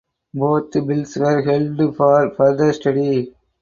Both bills were held for further study.